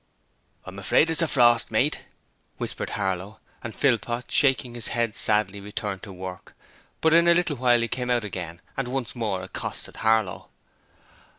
'I'm afraid it's a frost, mate,' Harlow whispered, and Philpot, shaking his head sadly, returned to work; but in a little while he came out again and once more accosted Harlow.